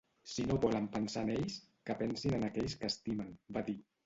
“Si no volen pensar en ells, que pensin en aquells que estimen”, va dir.